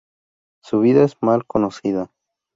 Su vida es mal conocida.